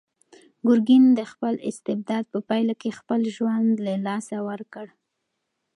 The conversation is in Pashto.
ګورګین د خپل استبداد په پایله کې خپل ژوند له لاسه ورکړ.